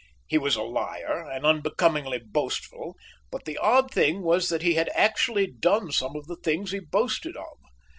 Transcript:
He was a liar and unbecomingly boastful, but the odd thing was that he had actually done some of the things he boasted of.